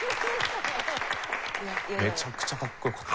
めちゃくちゃかっこよかった。